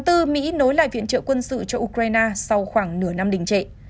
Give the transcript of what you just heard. từ mỹ nối lại viện trợ quân sự cho ukraine sau khoảng nửa năm đình trệ